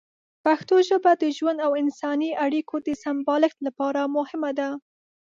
پښتو ژبه د ژوند او انساني اړیکو د سمبالښت لپاره مهمه ده.